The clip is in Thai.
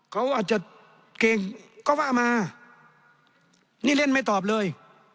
เขาอาจจะเก่งก็ว่ามานี่เล่นไม่ตอบเลย